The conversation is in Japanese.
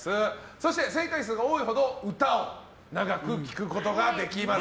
そして正解数が多いほど歌を長く聴くことができます。